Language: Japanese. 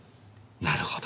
なるほど。